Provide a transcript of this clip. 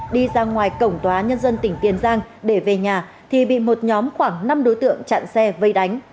đi ra ngoài cổng tòa nhân dân tỉnh tiền giang để về nhà thì bị một nhóm khoảng năm đối tượng chặn xe vây đánh